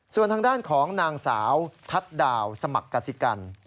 ส่วนทางด้านของนางสาวทัศน์ดาวสมัครกสิกัน